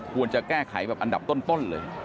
ควรจะแก้ไขแบบอันดับต้นเลย